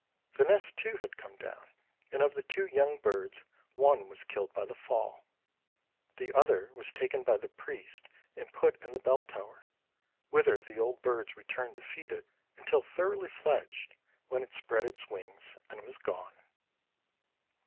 The nest too had come down, and of the two young birds one was killed by the fall; the other was taken by the priests and put in the bell tower, whither the old birds returned to feed it until thoroughly fledged, when it spread its wings and was gone.